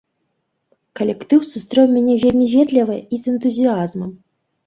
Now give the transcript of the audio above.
Калектыў сустрэў мяне вельмі ветліва і з энтузіязмам.